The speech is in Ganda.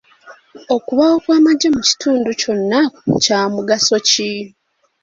Okubaawo kw'amagye mu kitundu kyonna kya mugaso ki?